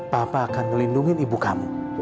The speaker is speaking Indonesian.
papa akan melindungi ibu kamu